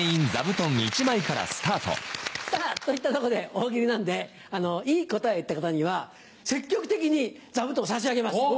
さぁといったとこで大喜利なんでいい答えを言った方には積極的に座布団を差し上げます。